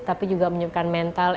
tapi juga menyiapkan mental